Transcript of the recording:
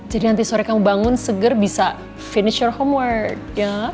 jadi nanti sore kamu bangun seger bisa finish your homework ya